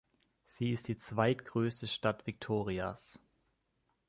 Sie ist die zweitgrößte Stadt Victorias.